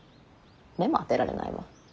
目も当てられないわ。